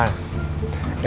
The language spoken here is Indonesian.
enggak ada apa apa